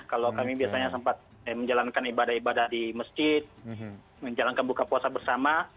kalau kami biasanya sempat menjalankan ibadah ibadah di masjid menjalankan buka puasa bersama